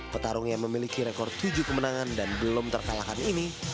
petarung yang memiliki rekor tujuh kemenangan dan belum terkalahkan ini